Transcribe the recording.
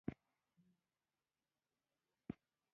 کار ته د کسبګرو او کارګرو جذبول ممکن شول.